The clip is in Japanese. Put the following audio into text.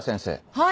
はい！